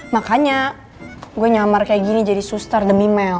makanya gue nyamar kayak gini jadi suster demi mel